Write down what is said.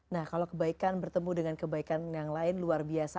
nah kalau kebaikan bertemu dengan kebaikan yang lain luar biasa